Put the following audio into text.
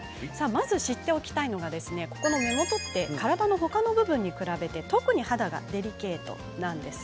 まず知っていただきたいのは目元は体の他の部分に比べて特に肌がデリケートなんです。